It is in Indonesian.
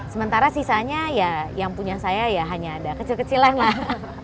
sementara sisanya ya yang punya saya ya hanya ada kecil kecilan lah